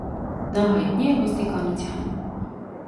Նա հայտնի է ոստիկանությանը։